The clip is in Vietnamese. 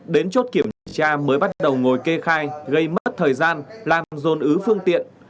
đến chốt kiểm tra mới bắt đầu ngồi kê khai gây mất thời gian làm dồn ứ phương tiện